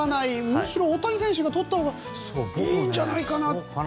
むしろ大谷選手がとってもいいんじゃないかなと。